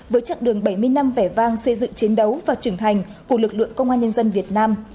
với chặng đường bảy mươi năm vẻ vang xây dựng chiến đấu và trưởng thành của lực lượng công an nhân dân việt nam